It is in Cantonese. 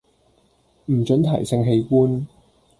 唔准提性器官